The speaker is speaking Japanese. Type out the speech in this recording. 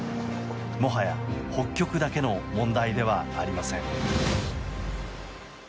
もはや北極だけの問題ではありません。